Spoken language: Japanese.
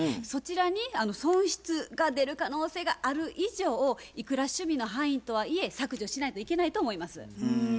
そちらに損失が出る可能性がある以上いくら趣味の範囲とはいえ削除しないといけないと思います。